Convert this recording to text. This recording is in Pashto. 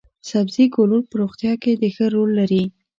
سبزي ګولور په روغتیا کې د ښه رول لري.